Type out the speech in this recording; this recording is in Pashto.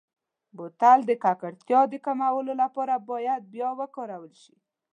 بوتل د ککړتیا د کمولو لپاره باید بیا وکارول شي.